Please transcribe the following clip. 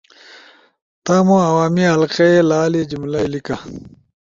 تمو عوامی حلقے لالی جملہ ئی لیِکا